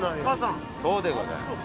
そうでございます。